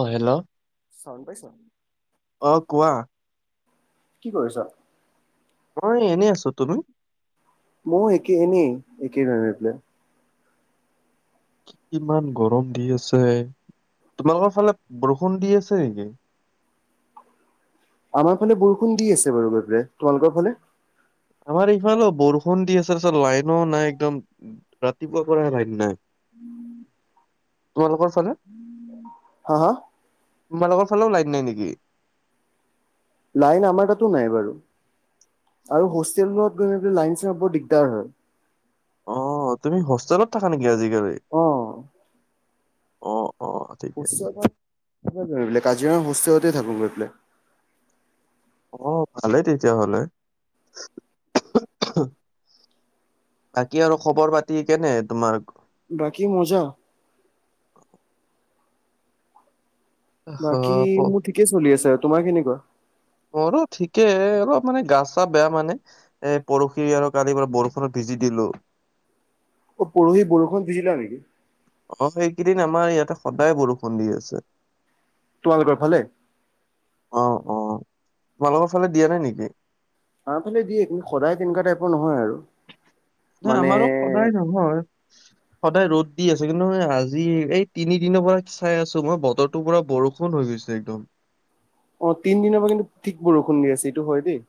অ'! Hello? চউণ্ড পাইছ? অ'! কোৱা? কি কৰিছ? মই এনেই আছোঁ, তুমি? মইয়ো, একেই, এনেই। [unintelligible] কিমান গৰম দি আছে। তোমালোকৰ ফালে বৰষুণ দি আছে নেকি? আমাৰ ফালে বৰষুণ দি আছে বাৰু গৈ পেলাই। তোমালোকৰ ফালে? আমাৰ এইফালেও বৰষুণ দি আছে। তাৰপিছত লাইনো নাই একদম। ৰাতিপুৱা পৰাই লাইন নাই। তোমালোকৰ ফালে? হা হা? তোমালোকৰ ফালেও লাইট নাই নেকি? লাইন আমাৰ তাতো নাই বাৰু। আৰু হোষ্টেলত গৈ পেলাই লাইন চাব দিগদাৰ হয়। অ', তুমি হোষ্টেলত থাকা নেকি আজিকালি? অ'। অ', অ'। ঠিকে হোষ্টেলত [unintelligible] কাজিৰঙা হোষ্টেলতে থাকো গৈ পেলাই। অ', ভালেই তেতিয়াহ'লে। বাকী আৰু খবৰ-পাতি কেনে তোমাৰ? বাকী মজা। আহ, বাকী মোৰ ঠিকেই চলি আছে আৰু। তোমাৰ কেনেকুৱা? মোৰো ঠিকে। অলপ মানে গা চা বেয়া মানে। এই পৰষি আৰু কালি পোৰা বৰষুণত ভিজি দিলোঁ। অ', পৰহি বৰষুণত ভিজিলা নেকি? অ', সেইকেইদিন আমাৰ ইয়াতে সদায় বৰষুণ দি আছে। তোমালোকৰ ফালে? অ', অ', তোমালোকৰ ফালে দিয়া নাই নেকি? আমাৰ ফালে দিয়ে। কিন্তু সদায় তেনেকুৱা টাইপৰ নহয় আৰু। ধৰা মানে আমাৰো সদায় নহয়। [inaudible] সদায় ৰ'দ দি আছে। কিন্তু এ আজি এই তিনিদিনৰ পৰা চাই আছো, মই বতৰটো পৰা বৰষু ন হৈ গৈছে একদম। অ', তিনদিনৰ পৰা কিন্তু ঠিক বৰষুণ দি আছে এইটো হয় দেই।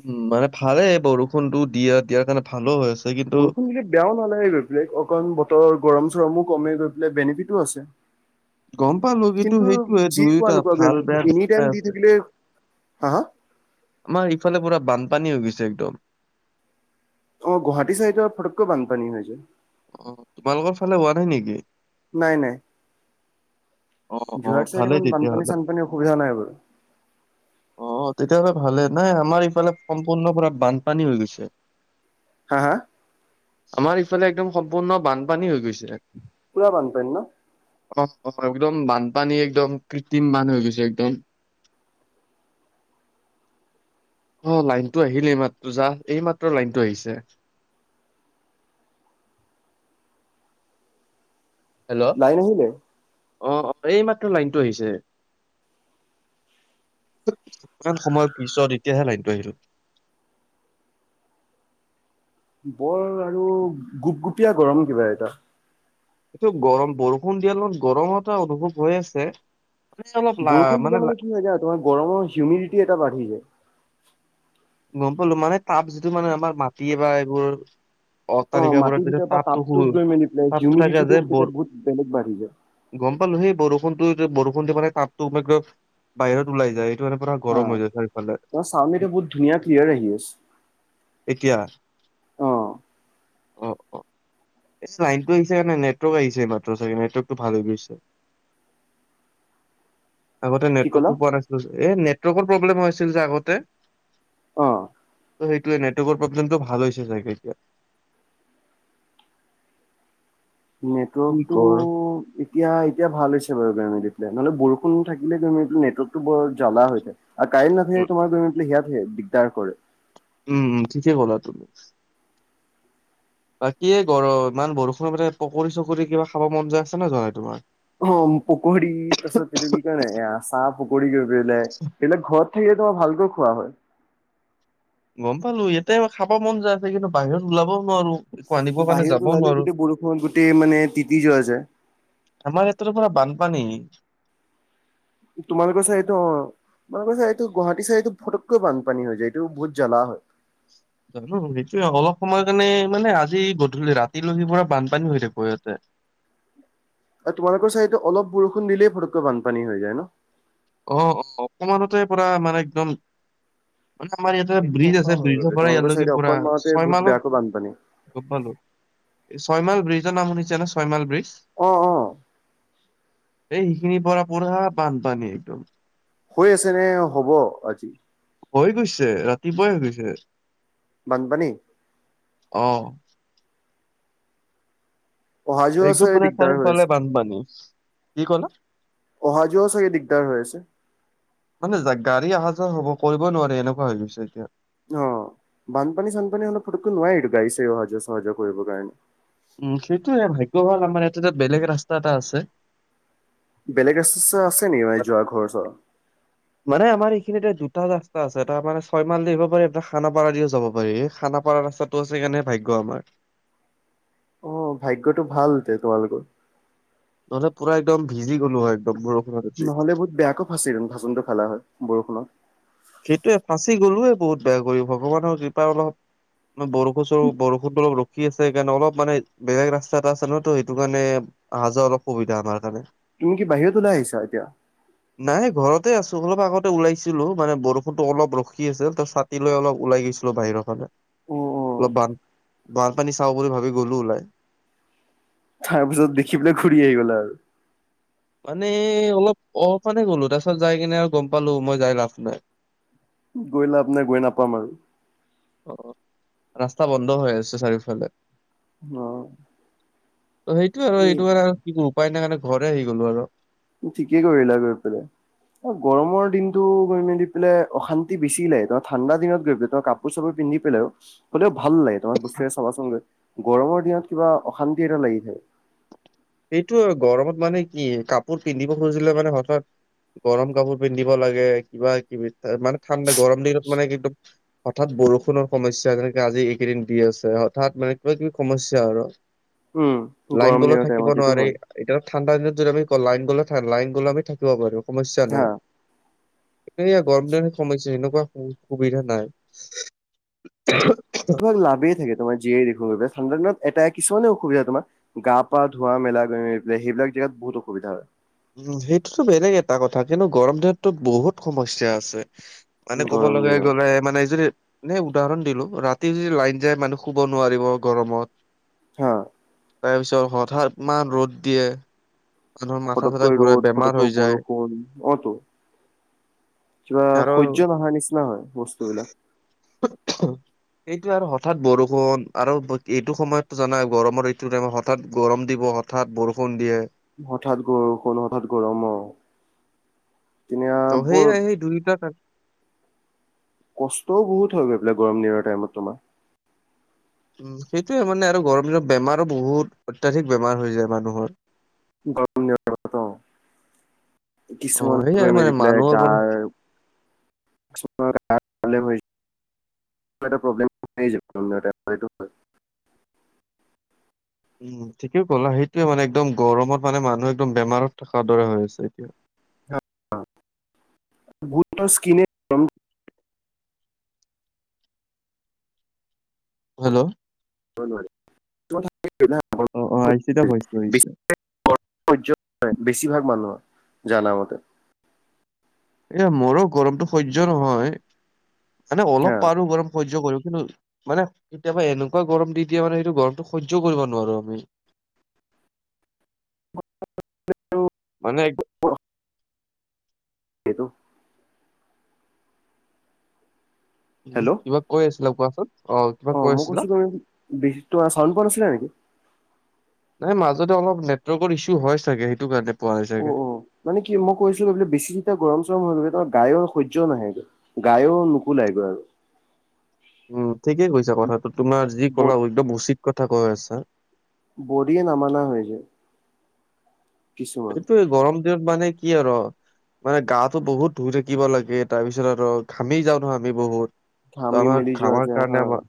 উম। মানে ভালেই বৰষুণটো দিয়া দিয়াৰ কাৰণে ঠাণ্ডা হৈ আছে। কিন্তু বৰষুণ দিলে বেয়াও নালাগে গৈ পেলায়। অকণ বতৰ গৰম চৰমো কমে গৈ পেলায়। বেনিফিটো আছে। গম পালো কিন্তু সেইটোয়ে যি কোৱা দুয়োটা নোকোৱা ভাল বেয়া [unintelligible] দুয়োটা এনিটাইম দি আছে। থাকিলে-হা হা? আমাৰ এইফালে পুৰা বানপানী হৈ গৈছে একদম। অ', গুৱাহাটী চাইডত ফটকে বানপানী হৈ যায়। অ', তোমালোকৰ ফালে হোৱা নাই নেকি? নাই নাই। অ অ যোৰহাট চাইডে ভালেই ইমান তেতিয়াহ'লে বানপানী-চানপানী অসুবিধা নাই বাৰু। অ', তেতিয়াহ'লে ভালে। নাই, আমাৰ এইফালে সম্পূৰ্ণ পোৰা বানপানী হৈ গৈছে। হা হা? আমাৰ এইফালে একদম সম্পূৰ্ণ বানপানী হৈ গৈছে। পুৰা বানপানী ন? অ', অ', একদম বানপানী একদম কৃত্ৰিম বান হৈ গৈছে একদম। অ', লাইনটো আহিলে এইমাত্ৰ যা। এইমাত্ৰ লাইনটো আহিছে। হেল্ল'! লাইন আহিলে অ', অ', এইমাত্ৰ লাইনটো আহিছে। কিমান সময়ৰ পিছত এতিয়াহে লাইনটো আহিল। বৰ আৰু গুপগুপীয়া গৰম কিবা এটা। এইটো গৰম বৰষুণ দিয়া লগত গৰম এটা অনুভৱ হৈ আছে। মানে অলপ লা বৰষুণ দিলে মানে কি হৈ যায় তোমাৰ গৰমৰ হিউমিডিটি এটা বাঢ়ি যায়। গম পালো। মানে তাপ যিটো মানে আমাৰ মাটি বা এইবোৰ অ মাটিৰ অট্টালিকাবোৰত যে ভিতৰৰ পৰা তাপটো তাপটোত হুল, গৈ মেলি পেলাই তাপটো থাকে হিউমিডিটিটো যে তেতিয়া বৰ বহুত বেলেগ বাঢ়ি যায়। গম পালো। সেই বৰষুণটো যে বৰষুণ দি মানে তাপতো [unintelligible] বাহিৰত ওলাই যায়। সেইটোকাৰণে পুৰা গৰম হৈ যায় চাৰিওফালে। পানীটো বহু ধুনীয়া ক্লিয়াৰ আহি আছ এতিয়া। অ'। অ অ এই লাইনতটো আহিছে কাৰণে নেটৱৰ্ক আহিছে, মাত্ৰ চাগে নেটৱৰ্কটো ভাল হৈ গৈছে। [inaudible] আগতে কি ক'লা নেটৱৰ্কতটো পোৱা নাছিলো, এ নেটৱৰ্কৰ প্ৰব্লেম হৈ আছিল যে আগতে। অ ত' সেইয়ে নেটৱৰ্কৰ প্ৰব্লেমটো ভাল হৈছে চাগে এতিয়া। কি নেটৱৰ্কটো কৰ এতিয়া, এতিয়া ভাল হৈছে বাৰু গেমি দি পিলে নহলে বৰষুণ থাকিলে গৰমি দি নেটৱৰ্কো বৰ জ্বলা হৈ যায়। আৰু কাৰেন্ট নাথাকিলে তোমাৰ [unintelligible] দিগদাৰ কৰে। উম উম, ঠিকেই কলাতো। বাকি এই গৰ ইমান বৰষুণৰ মানে পকৰি চকৰি কিবা খাব মান যায় আছে নে জোৱা নাই তোমাৰ? অ' পকৰি তাৰপিছত, সেটো কি কই নাই আ চাহ পকৰি ঘ পলাই প ঘৰত থাকে, তোমাৰ ভালকৈ খোৱা হয়। গম পালো, ইয়াতে খাব মন যায় আছে কিন্তু বাহিৰত ওলাবও নোৱাৰো। একো আনিবৰ কাৰণে বাহিৰত যাবও ওলালেও নোৱাৰো গোটেই বৰষুণ, গোটেই মানে তিতি যোৱা যায়। আমাৰ ইয়াত পুৰা বানপানী। তোমালোকৰ চাইড অ'। তোমালোকৰ চাইডৰ এইটো গুৱাহাটীৰ চাইটো ফটকৈ বানপানী হৈ যায়, এইটো বহুত জ্বালা হয়। জানো, সেইটোয়ে অলপ সময় কাৰণে মানে আজি গধূলি ৰাতি লৈকে পুৰা বানপানী হৈ থাকিব ইয়াতে। আৰু তোমালোক চাইটত অলপ বৰষুণ দিলেই ফটকৈ বানপানী হৈ যায় ন? অ' অকমানতে পুৰা মানে একদম মানে আমাৰ ইয়াতে সেইটো গম ব্ৰিজ পাওঁ আছে, ব্ৰিজৰ বাৰু পৰা তোমালোকৰ ইয়ালৈকে চাইডে পুৰা অকল মাহতে ছয় বহুত বেয়াকৈ বানপানী মাহত গম পালো ছয় মাইল ব্ৰিজৰ নাম, শুনিছে নে ছয় মাইল ব্ৰিজ। অ' অ'। এই সেইখিনিৰ পৰা পুৰা বানপানী। একদম হৈ আছে নে হ'ব আজি? হৈ গৈছে, ৰাতিপুৱাই হৈ গৈছে। বান পানী? অ'। অহা যোৱা একদম চাগে মানে দিগদাৰ হৈ চাৰিওফালে আছে বানপানী, কি ক'লা? অহা যোৱা চাগে দিগদাৰ হৈ আছে? মানে গাড়ী অহা যোৱা হ'ব কৰিব নোৱাৰি এনেকুৱা হৈ গৈছে এতিয়া। অ', বানপানী চানপানী হলে অলপ ফুটকো নোৱাৰি এইটো গাডী চাৰি অহা যোৱা চহা জোৱা কৰিবৰ কাৰণে। উম, সেইটোয়ে ভাগ্য ভাল আমাৰ ইয়াতে যে বেলেগ ৰাস্তা এটা আছে। বেলেগ ৰাস্তা আছে নেকি, ম যোৱা ঘৰ ওচৰত? মানে আমাৰ এইখিনি এ দুটা ৰাস্তা আছে, এটা মানে ছয় মাল দি আহিব পাৰি, এটা খানাপাৰা দিও যাব পাৰি, খানাপাৰা ৰাস্তাত টো আছে কাৰণে ভাগ্য আমাৰ। অ' ভাগ্যতো ভাল তে তোমালোকৰ। নহলে পুৰা একদম ভিজি গ'লো হয়। একদম বৰষুণত আজি। নহ'লে বহুত বেয়াকৈ ফাচিন ভচোনটো খালা হয়, বৰষুণত। সেইটোৱে ফাঁচি গলোয়ে, বহুত বেয়া কৰি ভগৱানৰ কৃপা অলপ মান বৰষুণৰ বৰষুণটো অলপ ৰখি আছে, সেইকাৰণে অলপ মানে বেলেগ ৰাস্তা এটা আছে ন তো সেইটো কাৰণে, অহা যোৱা অলপ সুবিধা আমাৰ কাৰণে। তুমি কি বাহিৰত ওলাই আহিছা এতিয়া? নাই ঘৰতে আছো, অলপ আগতে ওলাইছিলো। মানে বৰষুণতো অলপ ৰখি আছিল, ত ছাতি লৈ অলপ ওলাই গৈছিলো বাহিৰৰ ফালে। অ অ অলপ বান, বানপানী চাওঁ বুলি ভাবি গ'লো ওলাই। তাৰপিছত দেখি পেলাই ঘূৰি আহি গ'লা আৰু। মানে অলপ, অ 'মানে গ'লো, তাৰ পিছত যাই কিনে আৰু গম পালো মই যাই লাভ নাই। গৈ লাভ নাই, গৈ নাপাম আৰু। অ', ৰাস্তা বন্ধ হৈ আছে চাৰিওফালে। অ'। ত সেইটোয়ে হয়, এই সেইটো কাৰণে আৰু উপায় নাই কাৰণে ঘৰতে আহি গলো আৰু। ঠিকেই কৰিলা গৈ পেলাই। অ গৰমৰ দিনতটো গৈ মেলি পেলাই অশান্তি বেছি লাগে ন? তই ঠাণ্ডা দিনত গৈ পেলাই তই কাপোৰ কাপোৰ চাপোৰ পিন্ধি পেলাইও হ'লেও ভাল লাগে তোমাক বস্তুৰে চাবাচোনগৈ। গৰমৰ দিনত কিবা অশান্তি এটা লাগি থাকে। এইটো গৰমত মানে কি কাপোৰ পিন্ধিব খুজিলে মানে হঠাৎ গৰম কাপোৰ পিন্ধিব লাগে কিবা কিবি মানে ঠাণ্ডা গৰম দিনত মানে কি একদম হঠাৎ বৰষুণৰ সমস্যা যেনেকে, আজি এইকেইদিন দি আছে হঠাৎ মানে কিবা কিবি সমস্যা আৰু। উম, লাইন গৰম গ'লেও দিনৰ থাকিব টাইমত। সেইটো নোৱাৰি। হয় এতিয়া ঠাণ্ডা দিনত যদি আমি লাইন গলে লাইন গলে আমি থাকিব পাৰো। সমস্যা হা নাই। এয়া গৰম দিন সমস্যা সেনেকুৱা সুবিধা নাই। তোমাক লাভেই থাকে তোমাৰ [unintelligible] ঠাণ্ডা এটা কিছুমান অসুবিধা তোমাৰ গা পা ধুৱা মেলা পেলাই সেইবিলাক জেগাত বহুত অসুবিধা হয়। উম, সেইটোতো বেলেগ এটা কথা কিন্তু, গৰম দিনতো বহুত সমস্যা আছে। মানে ক'ব গৰম লগে দিনত গ'লে মানে যদি, এনেই উদাহৰণ দিলো ৰাতি যদি লাইন যাই মানুহ শুব নোৱাৰিব গৰমত। হ তাৰপিছত হঠাৎ মান ৰ'দ দিয়ে, মানুহৰ মাথা চাথা ফটককৈ ঘূৰাই ৰ'দ, বেমাৰ ফটককৈ হৈ যায় বৰষুণ। অটো কিবা আৰু সহ্য নহা নিচিনা হয় বস্তুবিলাক। [inaudible] এইটো আৰু হঠাৎ বৰষুণ আৰু এইটো সময়তো জানা গৰমৰ এইটো মত হঠাৎ গৰম দিব। হঠাৎ বৰষুণ দিয়ে। হঠাৎ বৰষুণ, হঠাৎ গৰম অ, তেনেয়া বৰ দুুইটা তাত কষ্টও বহুত হয় গৈ পেলাই গৰম দিনৰ টাইমত তোমাৰ। উ সেইটোয়ে মানে আৰু গৰম দিনত বেমাৰো বহুত, অত্যাধিক বেমাৰ হৈ যায় মানুহৰ। গৰ [unintelligible] অ কিছুমানৰ সেইয়াই গৈ মানে মেলি পেলাই মানুহৰ পৰা গাৰ াল [unintelligible] কিবা এটা প্ৰব্লেম [unintelligible] উম, ঠিকেই ক'লা সেইটোয়ে মানে একদম গৰমত মানে মানুহ একদম বেমাৰত থকাৰ দৰে হৈ আছে। [unintelligible] হেল্লো' [unintelligible] অ অ আহিছে এতিয়া ভইচটো আহিছে [unintelligible] বেছিভাগ মানুহ, জানা মত এ মোৰো গৰমতটো সহ্য নহয়, মানে হা অলপ পাৰো গৰম সহ্য কৰিব কিন্তু, মানে কেতিয়াবা এনেকুৱা গৰম দি দিয়ে মানে সেইটো গৰমটো সহ্য কৰিব নোৱাৰো আমি। [inaudible] মানে এক সেইটো [unintelligible] হেল্ল' কিবা কৈ আছিলা কোৱা? অ মই কৈছো [unintelligible] চাউণ্ড পোৱা নাছিলা নেকি? নাই মাজতে অলপ নেটৱৰ্কৰ ইচোঁ হয় চাগে সেইটো কাৰণে। পোৱা নাই চাগে অ', অ' মানে কি মই কৈছিলোঁ বোলে বেছি যেতিয়া গৰম চৰম হৈ [unintelligible] গায়ৰ সহ্য নাহেগৈ। গায়ো নুকোলাই গৈ আৰু। উম, ঠিকে কৈছা কথাটো, তোমাৰ যি আৰু কলা একদম উচিত কথা কৈ আছা। বডিয়ে নামানা হৈ যায়। কিছুমান এইটো গৰম দিনত মানে কি আৰু মানে গাটো বহুত ধুই থাকিব লাগে তাৰপিছত, আৰু ঘামি যাওঁ ন'হ আমি বহুত। ট ঘামি মেলি আমাৰ যোৱা ঘামাৰ যায় হা কাৰণে আমাৰ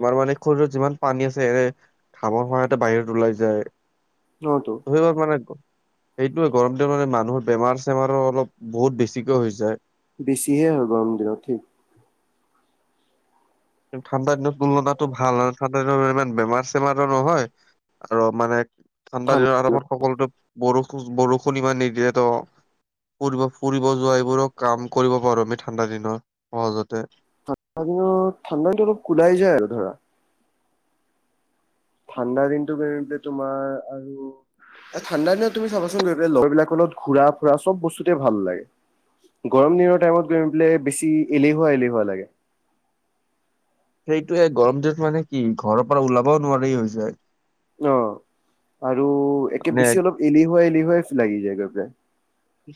আমাৰ মানে শৰীৰত যিমান পানী আছে স ঘামৰ সহায়তে বাহিৰত ওলাই যায়। অহতো। ধৰিব পৰা নাই। সেইটোৱে গৰম দিন মানে মানুহৰ বেমাৰ-চেমাৰো অলপ বহুত বেছিকে হৈ যায়। বেছিহে হয়, গৰম দিনত ঠিক। ঠাণ্ডা দিনত তুলনাতো ভাল, আৰু ঠাণ্ডা দিনত ইমান বেমাৰ চেমাৰো নহয়। আৰু মানে ঠাণ্ডা দিনৰ আৰামত সকলোতো বৰষুণ বৰষুণ ইমান নিদিয়ে তো। ফুৰিব ফুৰিব যোৱা এইবোৰো কাম কৰিব পাৰো আমি ঠাণ্ডা দিনত সহজতে। ঠাণ্ডা দিনত ঠাণ্ডা দিনো অলপ কোলাই যায় আৰু ধৰা। ঠাণ্ডা দিনটো [unintelligible] তোমাৰ আৰু এ ঠাণ্ডা দিনত তুমি চাবচোন গৈ পেলাই লগৰবিলাক লগত ঘূৰা-ফুৰা চ'ব বস্তুতেই ভাল লাগে। গৰম দিনৰ টাইমত গৈ পেলাই বেছি এলেহুৱা এলেহুৱা লাগে। সেইটোয় গৰম দিনত মানে কি ঘৰৰ পৰা ওলাবও নোৱাৰি হৈ যায়। অ', আৰু একে মানে বেছি অলপ এলিহুৱা এলিহুৱাই লাগি যায় গৈ পেলাই।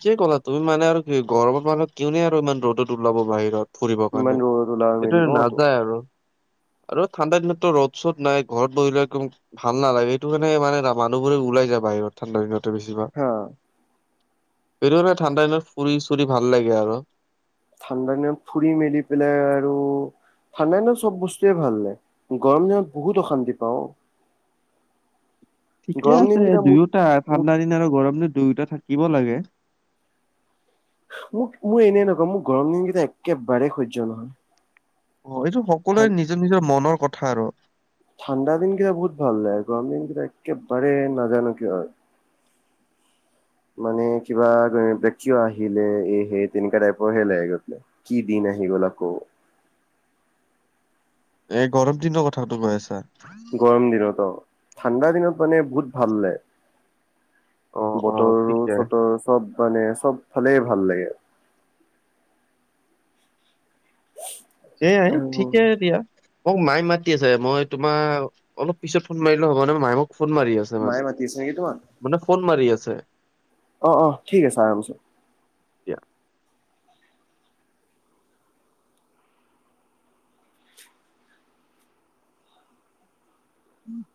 যি ক'লা তুমি মানে আৰু কি গৰত মানুহ কিয়নে আৰু ইমান ৰ'দত ওলাব বাহিৰত। ফুৰিবৰ ইমান কাৰণে, ৰ'দত ওলাব এইটো মেলিব নাযায় আৰু। আৰু ঠাণ্ডা দিনতটো ৰ'দ-চ'দ নাই ঘৰত বহিলেও ভাল নালাগে, এইটো কাৰোনে মানুহবোৰে ওলাই যায় বাহিৰত ঠাণ্ডা দিনতে বেছি ভাগ। হা এইটো মানে ঠাণ্ডা দিনত ফুৰি-চুৰি ভাল লাগে আৰু। ঠাণ্ডা দিনত ফুৰি মেলি পেলাই আৰু ঠাণ্ডা দিনত চ'ব বস্তুয়ে ভাল লাগে, গৰম দিনত বহুত অশান্তি পাওঁ। [inaudible] ঠিকে গৰম আছে, দিনকেইটা মোৰ দুয়োটা মোক ঠাণ্ডা দিন আৰু গৰম দিন দুয়োটা থাকিব লাগে। মোক মই এনে নকওঁ মোৰ গৰম দিনকেইটা একেবাৰেেই সহ্য নহয়। অ', এইটো ঠান সকলোৰে নিজৰ নিজৰ মনৰ কথা আৰু। ঠাণ্ডা দিন কেইটা বহুত ভাল লাগে, গৰম দিন কেইটা একেবাৰে নাজানো কি হয়। [inaudible] মানে কিবা কিয় আহিলে এ হে, তেনেকাঁ টাইপৰ হে লাগে গৈ পেলাই। কি দিন আহি গ'ল আকৌ। এ গৰম দিনৰ কথাটো কৈ আছা? গৰম দিনত অ', ঠাণ্ডা দিনত মানে বহুত ভাল লাগে। অ অ ঠিকে বতৰো-চতৰ চ'ব মানে চ'ব ফালে ভাল লাগে। সেয়াই আৰু ঠিকে দিয়া। মোক মায়ে মাতি আছে, মই তোমাৰ অলপ পিছত ফোন মাৰিলে হ'ব নহয়, মায়ে মোক ফোন মাৰি আছে। মায়ে মানে মাতি আছে নেকি তোমাক মানে ফোন মাৰি আছে। অ', অ', ঠিক আছে, আৰমচে। এতিয়া [inaudible]